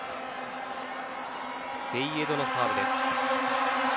セイエドのサーブです。